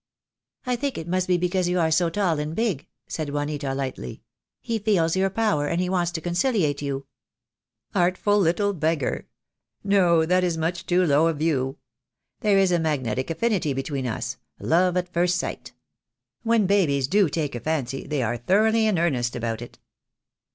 "I think it must be because you are so tall and big," said Juanita lightly. "He feels your power, and he wants to conciliate you." "Artful little beggar! No, that is much too low a view. There is a magnetic affinity between us — love at 138 THE DAY WILL COME. first sight. When babies do take a fancy they are thoroughly in earnest about it.